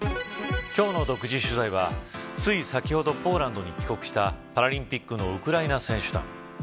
今日の独自取材はつい先ほどポーランドに帰国したパラリンピックのウクライナ選手団。